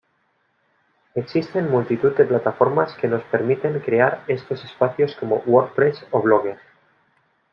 Existen multitud de plataformas que nos permiten crear estos espacios como WordPress o Blogger.